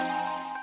kau bisa ranjau